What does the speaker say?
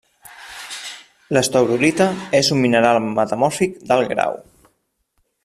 L'estaurolita és un mineral metamòrfic d'alt grau.